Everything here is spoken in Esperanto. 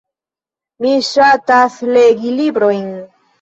Mi ŝatas legi librojn.